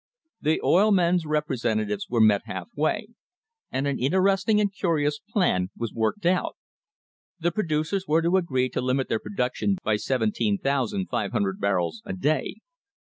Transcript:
The oil men's representatives were met half way, and an interesting and curious plan was worked out; the producers were to agree to limit their production by 17,500 barrels a day.